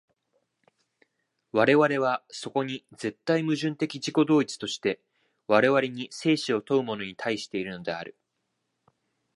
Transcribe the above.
我々はそこに絶対矛盾的自己同一として、我々に生死を問うものに対しているのである。